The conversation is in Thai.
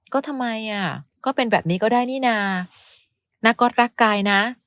ก็ทำไมอ่ะก็เป็นแบบนี้ก็ได้นี่นานาก๊อตรักกายนะ